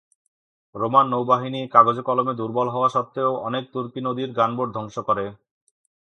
Roman নৌবাহিনী কাগজে কলমে দুর্বল হওয়া সত্ত্বেও অনেক তুর্কি নদীর গানবোট ধ্বংস করে।